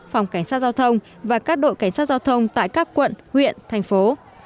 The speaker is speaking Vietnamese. phòng cảnh sát giao thông và các đội cảnh sát giao thông tại các quận huyện thành phố